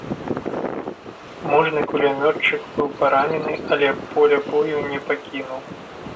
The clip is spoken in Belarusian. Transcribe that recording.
Мужны кулямётчык быў паранены, але поля бою не пакінуў.